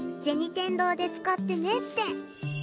天堂で使ってねって。